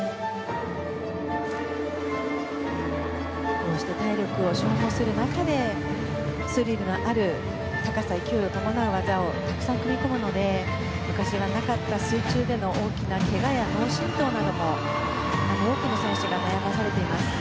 こうした体力を消耗する中でスリルのある高さ勢いを伴う技をたくさん組み込むので昔はなかった水中での大きなけがや脳振とうなども多くの選手が悩まされています。